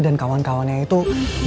dengan yang bersyukur